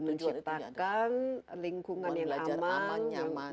menciptakan lingkungan yang aman